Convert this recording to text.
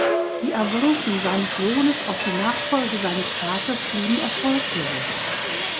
Die Avancen seines Sohnes auf die Nachfolge seines Vaters blieben erfolglos.